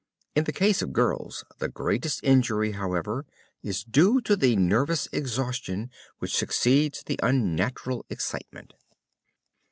In the case of girls the greatest injury, however, is due to the nervous exhaustion which succeeds the unnatural excitement.